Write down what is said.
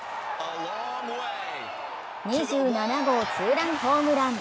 ２７号ツーランホームラン。